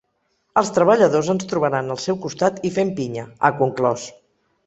Els treballadors ens trobaran al seu costat i fent pinya, ha conclòs.